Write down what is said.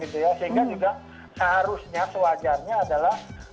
sehingga seharusnya sewajarnya adalah